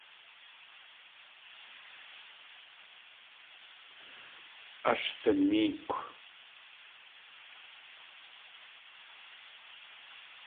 Ash sinéekw.